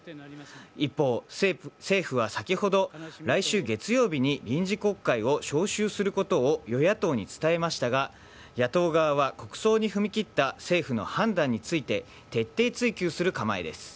一方、政府は先ほど来週月曜日に臨時国会を召集することを与野党に伝えましたが野党側は国葬に踏み切った政府の判断について徹底追及する構えです。